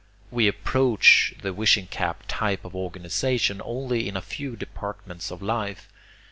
We approach the wishing cap type of organization only in a few departments of life.